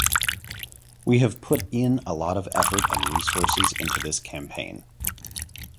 We have put in a lot of effort and resources into this campaign.